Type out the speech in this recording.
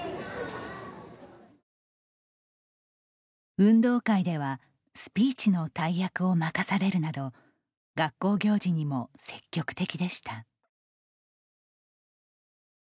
運動会ではスピーチの大役を任されるなど学校行事にも積極的でした。